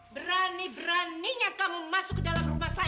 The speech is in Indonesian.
berani beraninya kamu masuk ke dalam rumah saya